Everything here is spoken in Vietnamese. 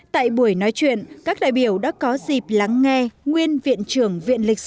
tại buổi nói chuyện các đại biểu đã có dịp lắng nghe nguyên viện trưởng viện lịch sử